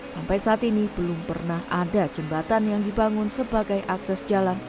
sampai saat ini belum pernah ada jembatan yang dibangun sebagai akses jalan